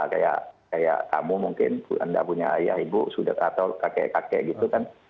kayak kamu mungkin anda punya ayah ibu sudet atau kakek kakek gitu kan